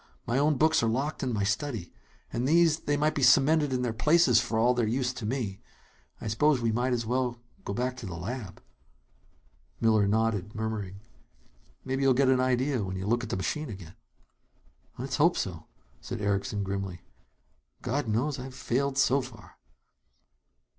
My own books are locked in my study. And these they might be cemented in their places, for all their use to me. I suppose we might as well go back to the lab." Miller nodded, murmuring: "Maybe you'll get an idea when you look at the machine again." "Let's hope so," said Erickson grimly. "God knows I've failed so far!"